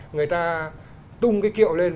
người ta tung cái kiệu lên